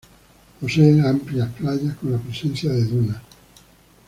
Posee amplias playas con la presencia de dunas.